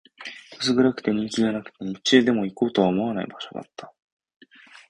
薄暗くて、人気がなくて、日中でも行こうとは思わない場所だった